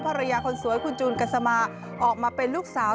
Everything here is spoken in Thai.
ภรรยาคนสวยคุณจูนกัสมาออกมาเป็นลูกสาว